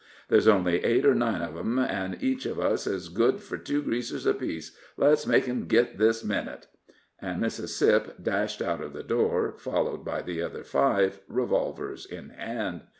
There's only eight or nine of 'em, an' each of us is good fur two Greasers apiece let's make 'em git this minnit." And Mississip dashed out of the door, followed by the other five, revolvers in hand.